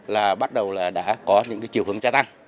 là bắt đầu là đã có những cái chiều hướng gia tăng